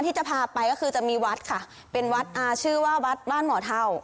ที่จะพาไปก็คือจะมีวัดค่ะเป็นวัดอ่าชื่อว่าวัดบ้านหมอเท่า